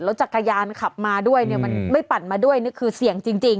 จักรยานขับมาด้วยเนี่ยมันไม่ปั่นมาด้วยนี่คือเสี่ยงจริง